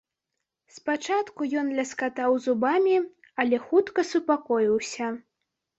Спачатку ён ляскатаў зубамі, але хутка супакоіўся.